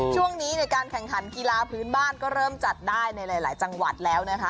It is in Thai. ช่วงนี้ในการแข่งขันกีฬาพื้นบ้านก็เริ่มจัดได้ในหลายจังหวัดแล้วนะคะ